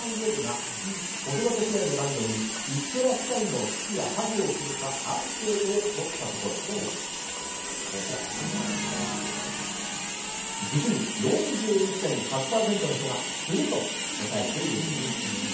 ふぁんＷｅｂが子育て世代の男女に行ってらっしゃいのキスやハグをするかアンケートをとったところ実に４１．８％の人がすると答えているんです。